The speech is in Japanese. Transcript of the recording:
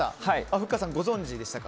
ふっかさん、ご存じでしたか？